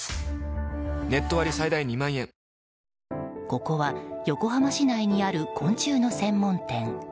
ここは横浜市内にある昆虫の専門店。